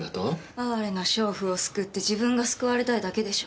あわれな娼婦を救って自分が救われたいだけでしょ。